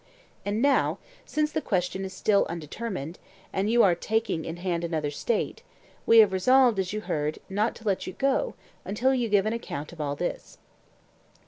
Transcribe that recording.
And now, since the question is still undetermined, and you are taking in hand another State, we have resolved, as you heard, not to let you go until you give an account of all this.